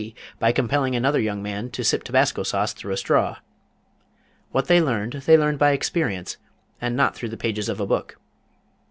B. by compelling another young man to sip Tabasco sauce through a straw. What they learned, they learned by experience, and not through the pages of a book.